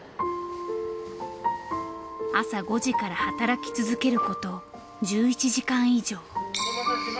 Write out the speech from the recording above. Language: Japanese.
朝５時から働き続けること１１時間以上。